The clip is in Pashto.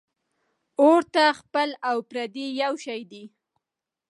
ـ اور ته خپل او پردي یو شی دی .